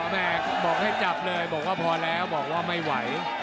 แม่บอกให้จับเลยบอกว่าพอแล้วบอกว่าไม่ไหว